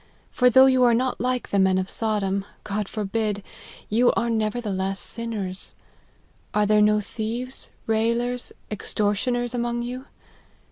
For though you are not like the men of Sodom, God forbid ! you are never theless sinners. Are there no thieves, railers, extortioners, among you